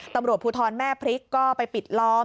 ตำรวจภูทรแม่พริกก็ไปปิดล้อม